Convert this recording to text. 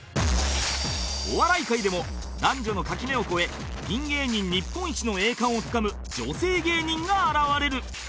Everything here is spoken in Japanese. お笑い界でも男女の垣根を越えピン芸人日本一の栄冠をつかむ女性芸人が現れる